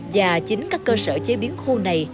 và chính các cơ sở chế biến khô này